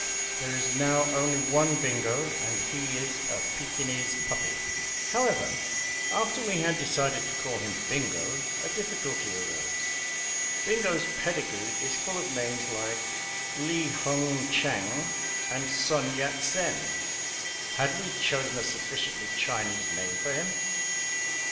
There is now only one Bingo, and he is a Pekinese puppy. However, after we had decided to call him Bingo, a difficulty arose. Bingo's pedigree is full of names like Li Hung Chang and Sun Yat Sen; had we chosen a sufficiently Chinese name for him?